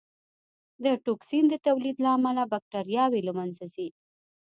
د ټوکسین د تولید له امله بکټریاوې له منځه ځي.